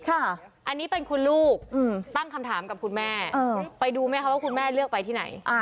อันนี้เป็นคุณลูกตั้งคำถามกับคุณแม่ไปดูไหมคะว่าคุณแม่เลือกไปที่ไหน